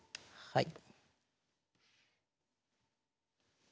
はい。